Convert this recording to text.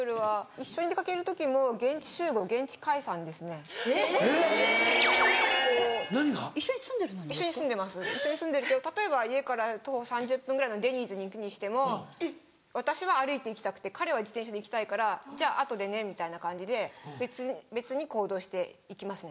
一緒に住んでます住んでるけど例えば家から徒歩３０分ぐらいのデニーズに行くにしても私は歩いていきたくて彼は自転車で行きたいからじゃあ後でねみたいな感じで別々に行動して行きますね。